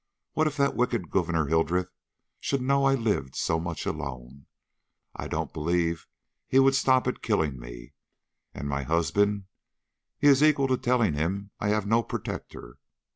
What if that wicked Gouverneur Hildreth should know I lived so much alone? I don't believe he would stop at killing me! And my husband! He is equal to telling him I have no protector.